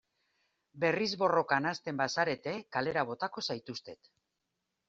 Berriz borrokan hasten bazarete kalera botako zaituztet.